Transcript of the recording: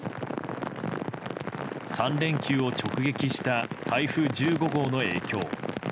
３連休を直撃した台風１５号の影響。